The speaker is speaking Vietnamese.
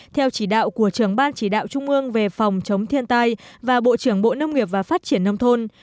theo chỉ đạo của trưởng ban chỉ đạo trung ương về phòng chống thiên tai và bộ trưởng bộ nông nghiệp và phát triển nông thôn